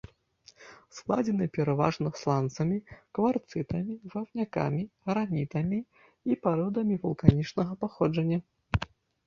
Складзены пераважна сланцамі, кварцытамі, вапнякамі, гранітамі і пародамі вулканічнага паходжання.